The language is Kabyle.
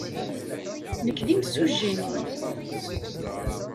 Nekk d imsujji-nwen.